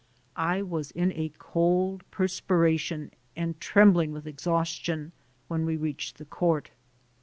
I was in a cold perspiration and trembling with exhaustion when we reached the court.